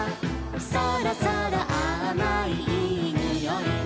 「そろそろあまいいいにおい」